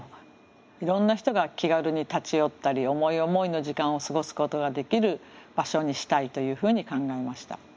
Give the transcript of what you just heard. いろんな人が気軽に立ち寄ったり思い思いの時間を過ごすことができる場所にしたいというふうに考えました。